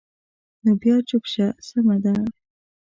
نو بیا چوپ شه، سمه ده.